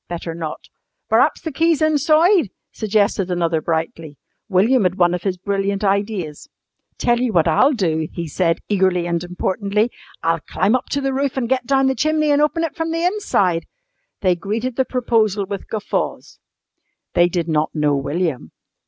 "Better not." "Per'aps the key's insoide," suggested another brightly. William had one of his brilliant ideas. "Tell you what I'll do," he said eagerly and importantly. "I'll climb up to the roof an' get down the chimney an' open it from the inside." They greeted the proposal with guffaws. They did not know William.